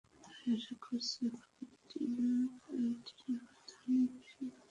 তাই আশা করছি, এখন প্রতিটি ব্যাংক আইটি নিরাপত্তায় অনেক বেশি মনোযোগী হবে।